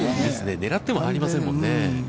狙ってもなりませんもんね。